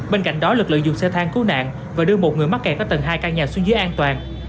một người mắc kẹt có tầng hai căn nhà xuống dưới an toàn